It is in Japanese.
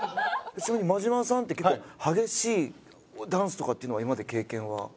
ちなみに真島さんって結構激しいダンスとかっていうのは今までに経験は？